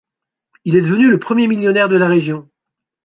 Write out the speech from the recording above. Il est devenu le premier millionnaire de la région.